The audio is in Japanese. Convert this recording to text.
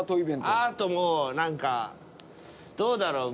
アートも何かどうだろう